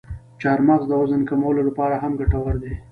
چارمغز د وزن کمولو لپاره هم ګټور دی.